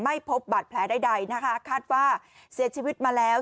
พบบาดแผลใดนะคะคาดว่าเสียชีวิตมาแล้ว